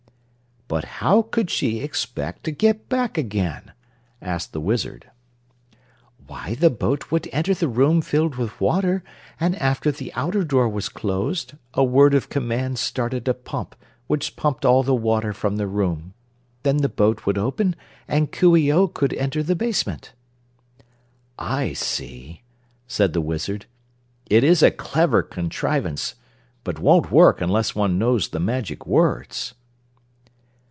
"But how could she expect to get back again?" asked the Wizard. "Why the boat would enter the room filled with water and after the outer door was closed a word of command started a pump which pumped all the water from the room. Then the boat would open and Coo ee oh could enter the basement." "I see," said the Wizard. "It is a clever contrivance, but won't work unless one knows the magic words."